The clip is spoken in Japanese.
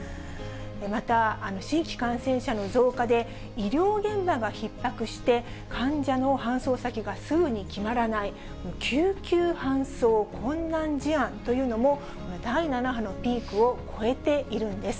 また、新規感染者の増加で、医療現場がひっ迫して、患者の搬送先がすぐに決まらない、救急搬送困難事案というのも、第７波のピークを超えているんです。